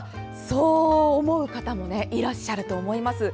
そう思う方もいらっしゃるかもしれません。